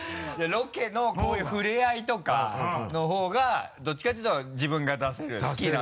ロケのこういうふれあいとかの方がどっちかっていうと自分が出せる好きなんですね。